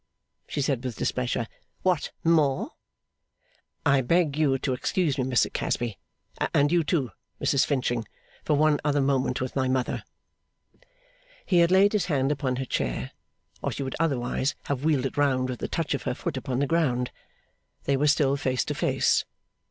she said with displeasure. 'What more?' 'I beg you to excuse me, Mr Casby and you, too, Mrs Finching for one other moment with my mother ' He had laid his hand upon her chair, or she would otherwise have wheeled it round with the touch of her foot upon the ground. They were still face to face.